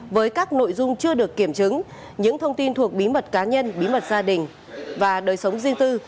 với các nội dung chưa được kiểm chứng những thông tin thuộc bí mật cá nhân bí mật gia đình và đời sống riêng tư